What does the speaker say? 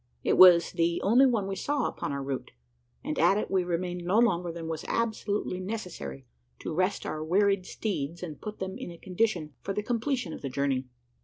It was the only one we saw upon our route; and at it we remained no longer than was absolutely necessary to rest our wearied steeds, and put them in a condition for the completion of the journey.